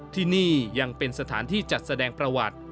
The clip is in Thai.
ที่นี่ยังเป็นสถานที่จัดแสดงประวัติ